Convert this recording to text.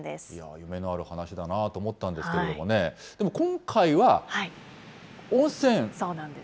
夢のある話だなと思ったんですけれどもね、でも今回は、温泉そうなんです。